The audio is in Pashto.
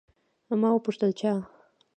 ما وپوښتل، چا؟